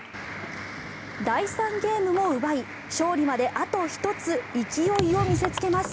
第３ゲームも奪い勝利まであと１つ勢いを見せつけます。